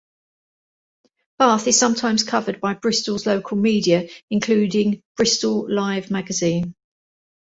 Bath is sometimes covered by Bristol's local media, including "Bristol Live Magazine".